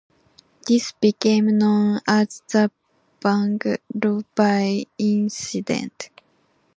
This became known as the Vung Ro Bay Incident.